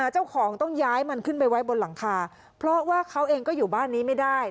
เจ้าของต้องย้ายมันขึ้นไปไว้บนหลังคาเพราะว่าเขาเองก็อยู่บ้านนี้ไม่ได้